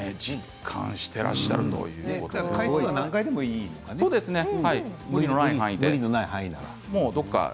回数は何回でもいいのかね。